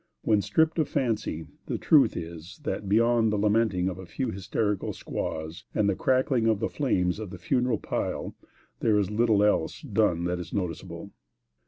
When stripped of fancy, the truth is, that beyond the lamenting of a few hysterical squaws and the crackling of the flames of the funeral pile, there is little else done that is noticeable.